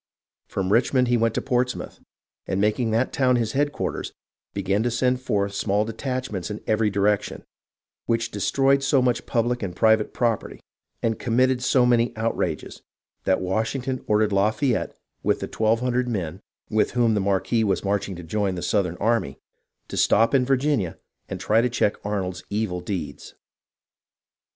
From Richmond he went to Portsmouth, and making that town his headquarters, began to send forth small detach ments in every direction, which destroyed so much public and private property and committed so many outrages that Washington ordered Lafayette with the 1200 men, with whom the Marquis was marching to join the Southern army, to stop in Virginia and try to check Arnold's evil deeds.